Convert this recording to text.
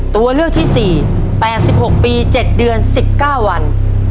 ตัวเลือกที่สี่แปดสิบหกปีเจ็ดเดือนสิบเก้าวัน